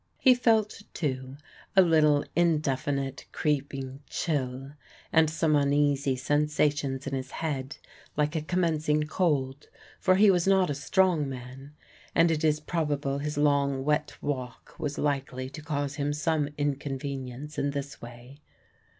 He felt, too, a little indefinite creeping chill, and some uneasy sensations in his head like a commencing cold, for he was not a strong man, and it is probable his long, wet walk was likely to cause him some inconvenience in this way.